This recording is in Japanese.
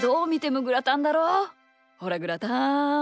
ほらグラタン。